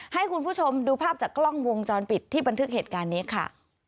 ให้คุณผู้ชมดูภาพจากกล้องวงจรปิดที่บันทึกเหตุการณ์นี้ค่ะ